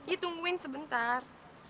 iya tungguin sebentar